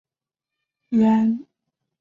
圆瓣冷水麻